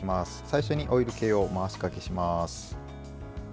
最初にオイル系を回しがけします。